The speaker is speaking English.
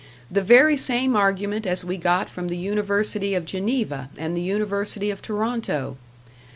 The very same argument as we got from the University of Geneva and the University of Toronto!